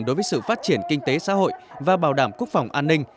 đối với sự phát triển kinh tế xã hội và bảo đảm quốc phòng an ninh